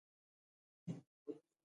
غرمه د روحي پاکوالي فصل دی